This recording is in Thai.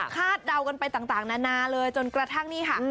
เดากันไปต่างนานาเลยจนกระทั่งนี่ค่ะ